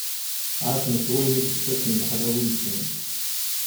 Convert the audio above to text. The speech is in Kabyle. Ɛacen s wayen i d-ttakken lexlawi-nsen.